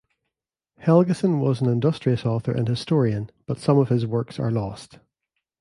Helgesen was an industrious author and historian but some of his works are lost.